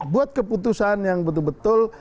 buat keputusan yang betul betul